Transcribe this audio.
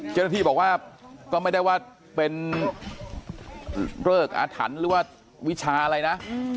เจ้าหน้าที่บอกว่าก็ไม่ได้ว่าเป็นเริกอาถรรพ์หรือว่าวิชาอะไรนะ